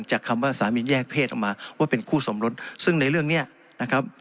คำว่าสามีแยกเพศออกมาว่าเป็นคู่สมรสซึ่งในเรื่องเนี้ยนะครับ